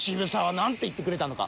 何て言ってくれたのか。